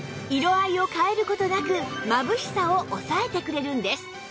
色合いを変える事なくまぶしさを抑えてくれるんです